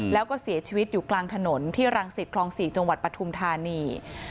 แล้วก็เสียชีวิตอยู่กลางถนนที่รังศิษย์คลองศรีจปทุมธานี